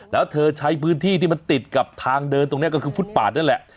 แล้วเธอใช้พื้นที่ที่มันติดกับทางเดินตรงนี้ก็คือฟุตปาดนั่นแหละ